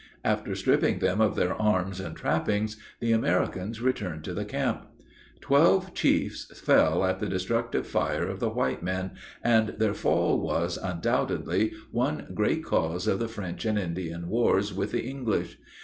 After stripping them of their arms and trappings, the Americans returned to the camp. Twelve chiefs fell at the destructive fire of the white men, and their fall was, undoubtedly, one great cause of the French and Indian wars with the English.